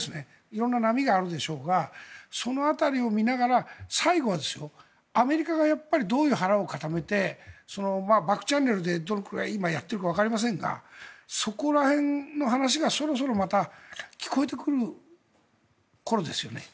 色んな波があるでしょうがその辺りを見ながら最後はアメリカがどういう腹を固めてバックチャンネルでどれくらいやってるかわかりませんがそこら辺の話がそろそろまた聞こえてくる頃ですよね。